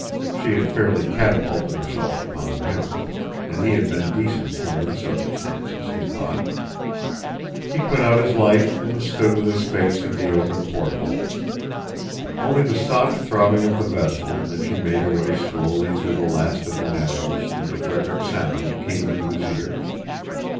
She had fairly catapulted herself upon him, and he had been decent under the circumstances, he thought. He put out his light and stood with his face at the open port hole. Only the soft throbbing of the vessel as she made her way slowly through the last of the Narrows into Frederick Sound came to his ears.